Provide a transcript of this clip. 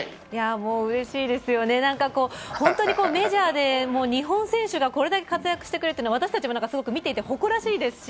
もううれしいですよね、本当にメジャーで日本人選手がこれだけ活躍してくれて、私たちも見ていて誇らしいですし